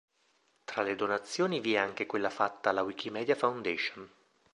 Tra le donazioni vi è anche quella fatta alla Wikimedia Foundation.